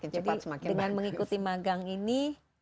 jadi dengan mengikuti magang ini